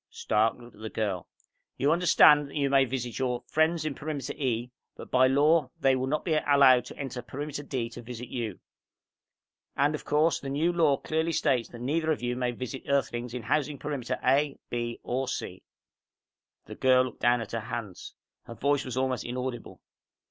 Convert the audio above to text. Stark looked at the girl. "You understand that you may visit your friends in Perimeter E, but, by law, they will not be allowed to enter Perimeter D to visit you. And, of course, the new law clearly states that neither of you may visit Earthlings in Housing Perimeter A, B or C." The girl looked down at her hands. Her voice was almost inaudible.